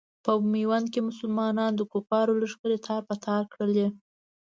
په میوند کې مسلمانانو د کفارو لښکرې تار په تار کړلې.